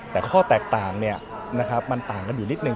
แต่ข้อแตกต่างมันต่างกันอยู่นิดนึ